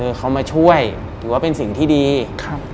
เขามาช่วยถือว่าเป็นสิ่งที่ดีครับ